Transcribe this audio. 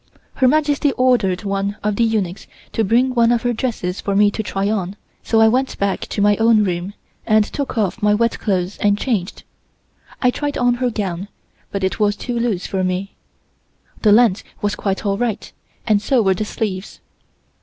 Her Majesty ordered one of the eunuchs to bring one of her dresses for me to try on, so I went back to my own room, and took off my wet clothes and changed. I tried on her gown, but it was too loose for me. The length was quite all right and so were the sleeves.